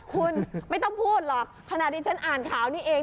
คุณไม่ต้องพูดหรอกขณะที่ฉันอ่านข่าวนี้เอง